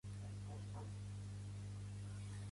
El seu cognom és Tapias: te, a, pe, i, a, essa.